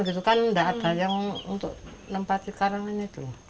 kan tidak ada yang untuk tempat sekarang ini